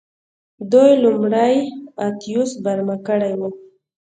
دوی لومړی اتیوس برمته کړی و